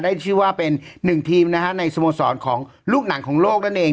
ชื่อว่าเป็นหนึ่งทีมนะฮะในสโมสรของลูกหนังของโลกนั่นเอง